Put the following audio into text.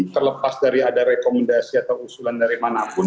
terlepas dari ada rekomendasi atau usulan dari manapun